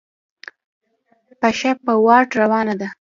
پښه په واټ روانه ده.